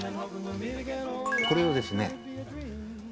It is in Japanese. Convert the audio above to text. これをですね。